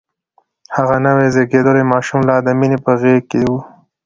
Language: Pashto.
هغه نوی زيږدلی ماشوم لا د مينې په غېږ کې و.